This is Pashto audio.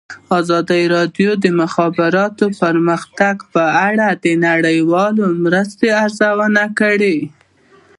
ازادي راډیو د د مخابراتو پرمختګ په اړه د نړیوالو مرستو ارزونه کړې.